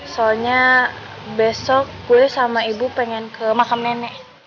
soalnya besok kuliah sama ibu pengen ke makam nenek